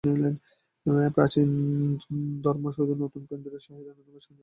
প্রাচীন ধর্ম শুধু নূতন কেন্দ্র-সহায়েই নূতনভাবে সঞ্জীবিত হইতে পারে।